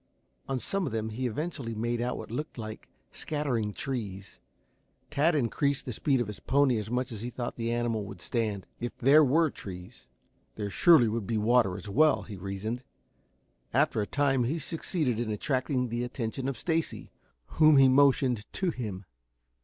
On some of them he eventually made out what looked like scattering trees. Tad increased the speed of his pony as much as he thought the animal would stand. If there were trees, there surely should be water as well, he reasoned. After a time he succeeded in attracting the attention of Stacy, whom he motioned to him.